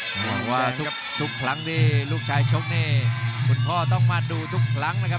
บอกว่าทุกครั้งที่ลูกชายชกนี่คุณพ่อต้องมาดูทุกครั้งนะครับ